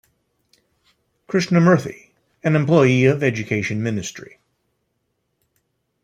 Krishnamurthy, an employee of Education Ministry.